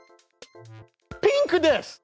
ピンクです！